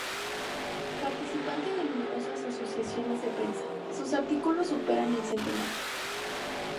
Participante de numerosas asociaciones de prensa, sus artículos superan el centenar.